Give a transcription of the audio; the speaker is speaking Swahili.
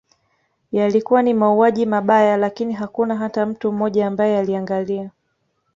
Yalikuwa ni mauaji mabaya lakini hakuna hata mtu mmoja ambaye aliangalia